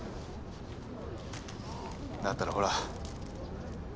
だったらほら。